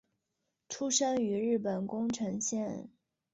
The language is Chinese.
出生于日本宫城县。